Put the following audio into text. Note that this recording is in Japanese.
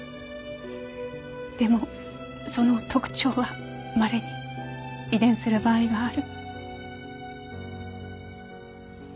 でもその特徴はまれに遺伝する場合がある。